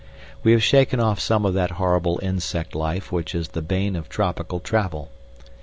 We have shaken off some of that horrible insect life which is the bane of tropical travel.